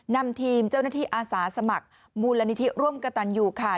นำทีมเจ้าหน้าที่อาสาสมัครมูลนิธิร่วมกระตันอยู่ค่ะ